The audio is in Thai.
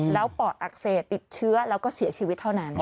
แล้วปอดอักเสบติดเชื้อแล้วก็เสียชีวิตเท่านั้น